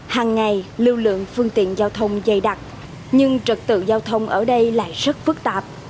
hàng ngày lưu lượng phương tiện giao thông dày đặc nhưng trật tự giao thông ở đây lại rất phức tạp